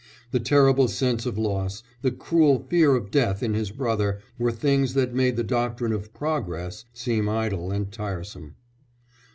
The terrible sense of loss, the cruel fear of death in his brother, were things that made the doctrine of "progress" seem idle and tiresome.